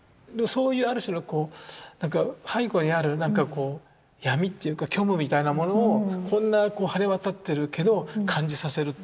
そういうある種のこうなんか背後にあるなんかこう闇というか虚無みたいなものをこんな晴れ渡ってるけど感じさせるっていうような。